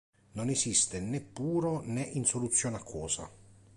Non esiste né puro né in soluzione acquosa.